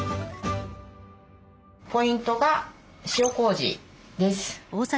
ポイントが塩こうじです。